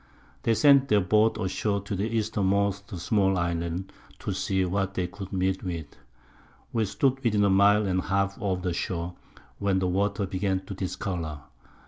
They sent their Boat ashore to the Eastermost small Island, to see what they could meet with. We stood within a Mile and half of the Shore, when the Water began to discolour.